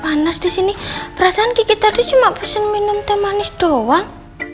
panas disini perasaan kiki tadi cuma pesen minum teh manis doang